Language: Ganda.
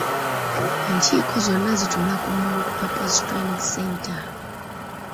Enkiiko zonna zituula ku multi-purpose training center.